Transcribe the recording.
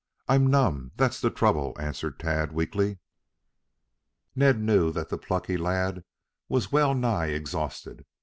I'm all numb, that's the trouble," answered Tad weakly. Ned knew that the plucky lad was well nigh exhausted.